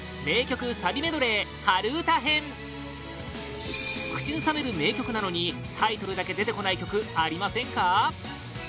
名曲サビメドレー春うた編口ずさめる名曲なのにタイトルだけ出てこない曲ありませんか？